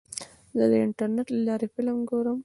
زه د انټرنیټ له لارې فلم ګورم.